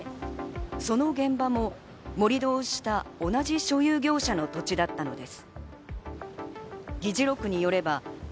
その現場も盛り土をした同じ所有業者の土地だったのです。